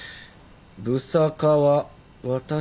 「ぶさかわ」